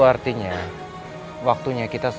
hancurkan pasukan daniman